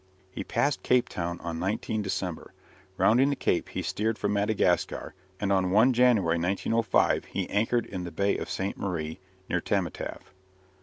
He passed Cape Town on 19 December. Rounding the Cape, he steered for Madagascar, and on 1 January, 1905, he anchored in the Bay of Ste. Marie, near Tamatave.